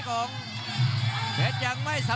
กรรมการเตือนทั้งคู่ครับ๖๖กิโลกรัม